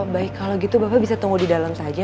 baik kalau gitu bapak bisa tunggu di dalam saja